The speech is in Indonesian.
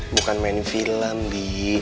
bukan main film bi